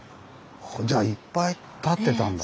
じゃあいっぱい立ってたんだ。